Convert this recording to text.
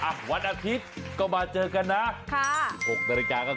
อักวัดอาทิตย์ก็มาเจอกันแล้ว